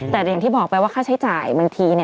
แต่อย่างที่บอกไปว่าค่าใช้จ่ายบางที